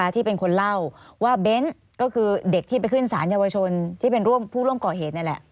ที่เป็นคนเล่าว่าเบ้นก็คือเด็กที่ไปขึ้นสารเยาวชนที่เป็นร่วมผู้ร่วมก่อเหตุนี่แหละ